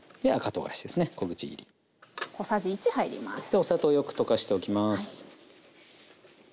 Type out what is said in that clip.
お砂糖よく溶かしておきます。